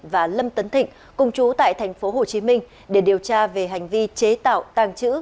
và lâm tấn thịnh cùng chú tại tp hcm để điều tra về hành vi chế tạo tàng trữ